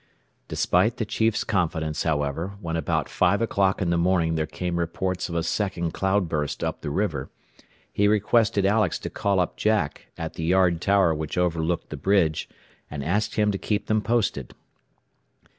Despite the chief's confidence, however, when about 5 o'clock in the morning there came reports of a second cloud burst up the river, he requested Alex to call up Jack, at the yard tower which overlooked the bridge, and ask him to keep them posted.